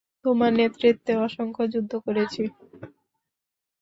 তোমার নেতৃত্বে অসংখ্য যুদ্ধ করেছি।